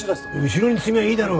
後ろに積めばいいだろ。